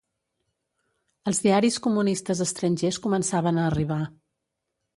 Els diaris comunistes estrangers començaven a arribar